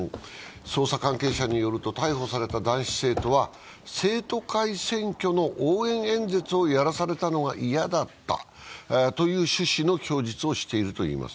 捜査関係者によると、逮捕された男子生徒は生徒会選挙の応援演説をやらされたのが嫌だったという趣旨の供述をしているといいます。